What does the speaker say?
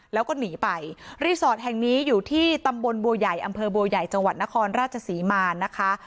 แล้วก็หนีไปรีสอร์ทแห่งนี้อยู่ที่ตำบลบัวใหญ่อำเภอบัวใหญ่จังหวัดนครราชศรีมานะคะ